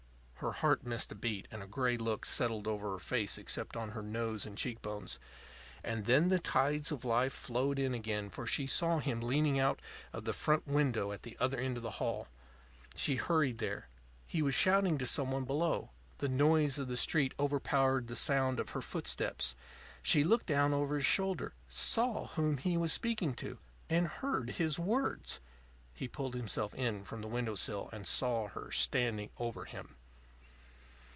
Her heart missed a beat, and a gray look settled over her face except on her nose and cheek bones. And then the tides of life flowed in again, for she saw him leaning out of the front window at the other end of the hall. She hurried there. He was shouting to some one below. The noise of the street overpowered the sound of her footsteps. She looked down over his shoulder, saw whom he was speaking to, and heard his words. He pulled himself in from the window sill and saw her standing over him.